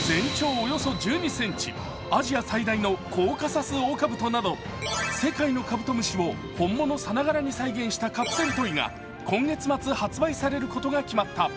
およそ１２ｃｍ、アジア最大のコーカサスオオカブトなど世界のカブトムシを本物さながらに再現したカプセルトイが今月末発売されることが決まった。